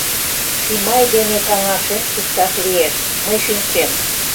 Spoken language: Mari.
Шимай дене каҥашен шукташ лиеш — мый шинчем.